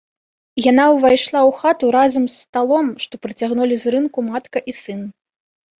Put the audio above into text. Яна ўвайшла ў хату разам з сталом, што прыцягнулі з рынку матка і сын.